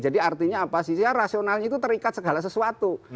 jadi artinya apa sih ya rasionalnya itu terikat segala sesuatu